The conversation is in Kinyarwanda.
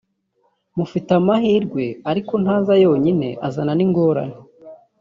Mufite amahirwe ariko ntaza yonyine azana n’ingorane